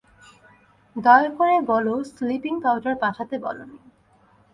দয়া করে বলো স্লিপিং পাউডার পাঠাতে বলোনি।